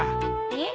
え？